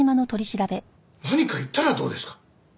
何か言ったらどうですか？